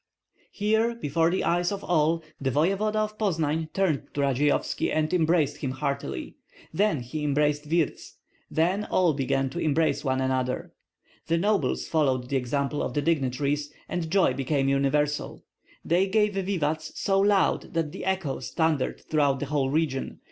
Here, before the eyes of all, the voevoda of Poznan turned to Radzeyovski and embraced him heartily; then he embraced Wirtz; then all began to embrace one another. The nobles followed the example of the dignitaries, and joy became universal. They gave vivats so loud that the echoes thundered throughout the whole region.